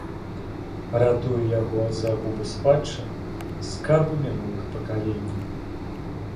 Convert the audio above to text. Ратуе яго ад загубы спадчына, скарбы мінулых пакаленняў.